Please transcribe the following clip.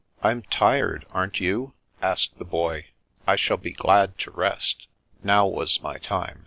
"I'm tired, aren't you?" asked the Boy. "I shall be glad to rest." Now was my time.